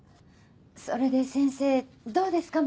それで先生どうですか？